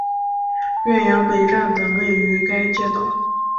岳阳北站等位于该街道。